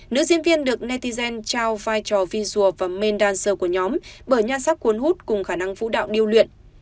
nữ diễn viên được netizen trao vai trò visual và main dancer của nhóm bởi nhan sắc cuốn hút cùng khả năng phũ đạo điêu luyện